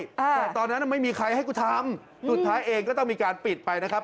แต่ตอนนั้นไม่มีใครให้กูทำสุดท้ายเองก็ต้องมีการปิดไปนะครับ